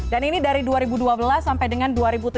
dan ini dari dua ribu dua belas sampai dengan dua ribu tujuh belas